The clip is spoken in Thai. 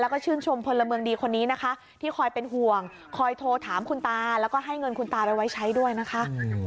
คนนี้นะคะที่คอยเป็นห่วงคอยโทรถามคุณตาแล้วก็ให้เงินคุณตาไปไว้ใช้ด้วยนะคะ